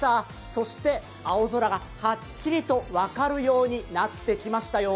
そして、青空がはっきりと分かるようになってきましたよ。